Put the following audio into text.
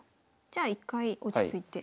じゃあ一回落ち着いて。